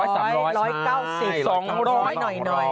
ใช่๒๐๐หน่อย